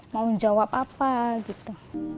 mau jawab apa gitu